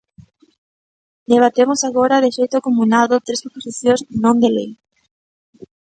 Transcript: Debatemos agora, de xeito acumulado, tres proposicións non de lei.